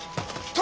殿。